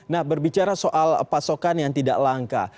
nah berbicara soal pasokan yang tidak langka